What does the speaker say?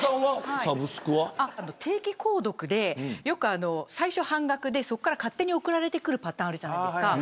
定期購読で、よく最初半額でそこから勝手に送られてくるパターンあるじゃないですか。